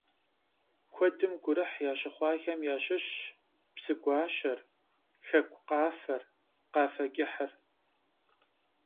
Kuedım gurıh yaşıxhuaxem yaşışş «Pşı guaşe»- r, «Xekuj khafer», «Khafe ç'ıhır».